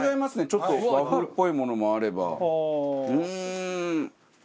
ちょっと和風っぽいものもあれば。